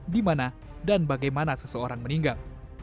di mana dan bagaimana seseorang meninggal